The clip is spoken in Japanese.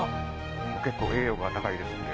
結構栄養価が高いですので。